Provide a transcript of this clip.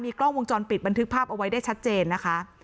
กล้องวงจรปิดบันทึกภาพเอาไว้ได้ชัดเจนนะคะ